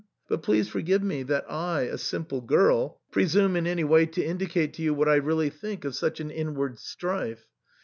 But please forgive me that I, a simple girl, presume in any way to indicate to you what I really think of such an inward strife.